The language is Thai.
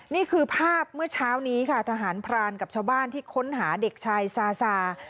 นี่คือภาพเมื่อเช้านี้ค่ะทหารพรานกับชาวบ้านที่ค้นหาเด็กชายซาซา